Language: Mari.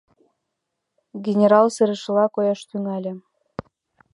Генерал сырышыла кояш тӱҥале.